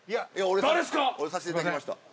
俺させていただきました。